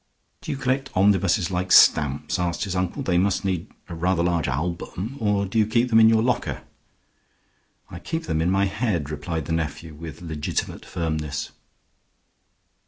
"Do you collect omnibuses like stamps?" asked his uncle. "They must need a rather large album. Or do you keep them in your locker?" "I keep them in my head," replied the nephew, with legitimate firmness.